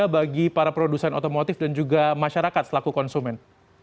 apa kemudian pak himbauan anda bagi para produsen otomotif dan juga masyarakat selaku konsumen